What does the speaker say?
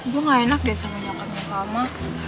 gue gak enak deh sama nyokapnya salma